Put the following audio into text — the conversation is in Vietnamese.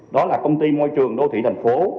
đó là công ty môi trường đô thị thành phố